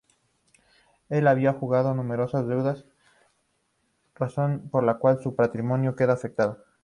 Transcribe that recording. Él había dejado numerosas deudas, razón por la cual su patrimonio queda afectado.